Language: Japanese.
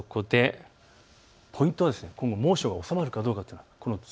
ポイントは今後、猛暑が収まるかどうか。